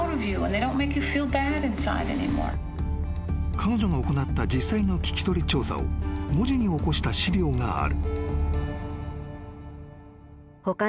［彼女が行った実際の聞き取り調査を文字に起こした資料がある］